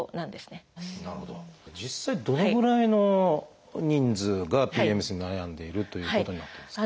実際どのぐらいの人数がＰＭＳに悩んでいるということになってるんですか？